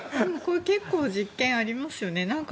結構、実験ありますよね。